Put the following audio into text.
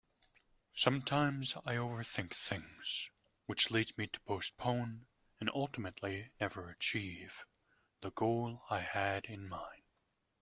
Sometimes I overthink things which leads me to postpone and ultimately never achieve the goal I had in mind.